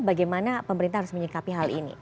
bagaimana pemerintah harus menyikapi hal ini